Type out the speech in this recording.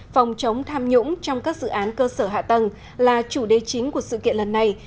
phòng chống tham nhũng trong các dự án cơ sở hạ tầng là chủ đề chính của sự kiện lần này